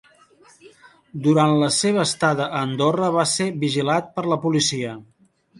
Durant la seva estada a Andorra va ser vigilat per la policia.